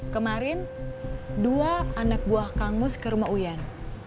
kemarin dua anak buah kang mus ke rumah uyan